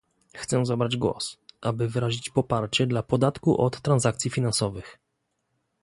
Chcę zabrać głos, aby wyrazić poparcie dla podatku od transakcji finansowych